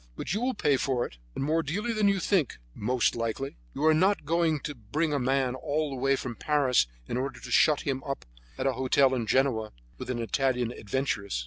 But you will pay for it, and more dearly than you think, most likely. You are not going to bring a man all the way from Paris in order to shut him up at a hotel in Genoa with an Italian adventuress."